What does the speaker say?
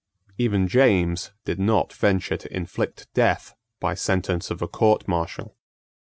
Even James did not venture to inflict death by sentence of a court martial.